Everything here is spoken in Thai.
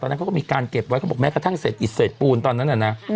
นั้นเขาก็มีการเก็บไว้เขาบอกแม้กระทั่งเศษอิดเศษปูนตอนนั้นน่ะนะ